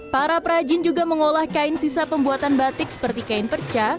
para perajin juga mengolah kain sisa pembuatan batik seperti kain perca